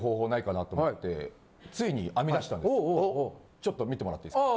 ちょっと見てもらっていいっすか？